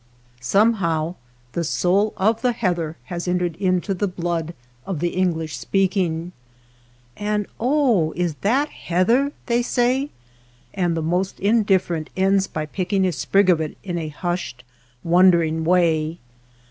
Some how the soul of the heather has entered into the blood of the English speaking. 215 WATER BORDERS "And oh! is that heather?" they say; and the most indifferent ends by picking a sprig of it in a hushed, wondering way.